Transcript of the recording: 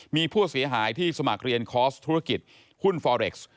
มีผู้เสียหายที่สมัครเรียนคอร์สธุรกิจหุ้นฟอเร็กซ์